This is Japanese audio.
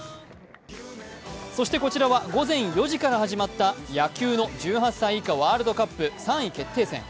そしてこちらは午前４時から始まった野球の１８歳以下ワールドカップ３位決定戦。